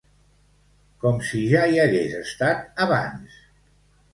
Com si ja hi hagués estat abans.